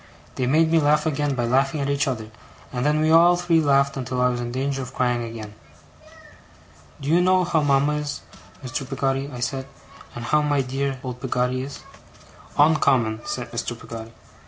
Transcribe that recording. They made me laugh again by laughing at each other, and then we all three laughed until I was in danger of crying again. 'Do you know how mama is, Mr. Peggotty?' I said. 'And how my dear, dear, old Peggotty is?' 'Oncommon,' said Mr. Peggotty.